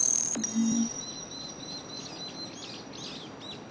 うん。